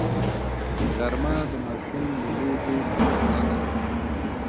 غرمه د ماشوم له لوبو فاصله ده